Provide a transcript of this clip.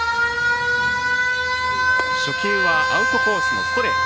初球はアウトコースのストレート。